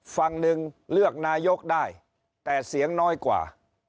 ฝั่งหนึ่งเลือกนายกได้แต่เสียงน้อยกว่า